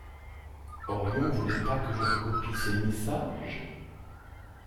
Orion voulait pas que je recopie ses messages ?